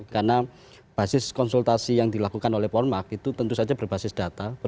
karena basis konsultasi yang dilakukan oleh polmark itu tentu saja berbasis data